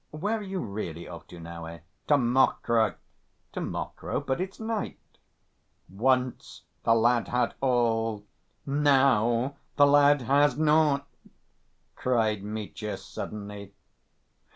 Where are you really off to now, eh?" "To Mokroe." "To Mokroe? But it's night!" "Once the lad had all, now the lad has naught," cried Mitya suddenly.